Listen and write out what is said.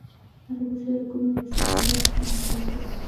هغې د زړه له کومې د سمندر ستاینه هم وکړه.